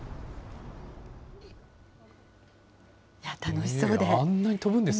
楽しそうで。